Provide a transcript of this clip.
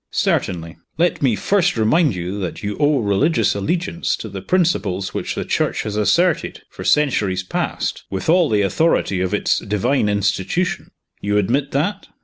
"Certainly. Let me first remind you that you owe religious allegiance to the principles which the Church has asserted, for centuries past, with all the authority of its divine institution. You admit that?"